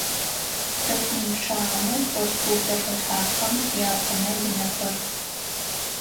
ЦӀыф мин пчъагъэмэ спорт клуб зэфэшъхьафхэм япкъынэ-лынэхэр